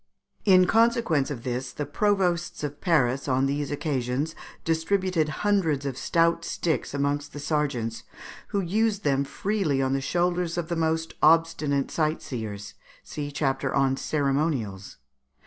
In consequence of this the Provosts of Paris on these occasions distributed hundreds of stout sticks amongst the sergeants, who used them freely on the shoulders of the most obstinate sight seers (see chapter on Ceremonials).